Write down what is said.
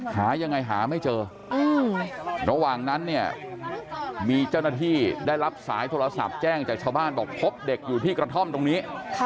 หายังไงหาไม่เจอระหว่างนั้นเนี่ยมีเจ้าหน้าที่ได้รับสายโทรศัพท์แจ้งจากชาวบ้านบอกพบเด็กอยู่ที่กระท่อมตรงนี้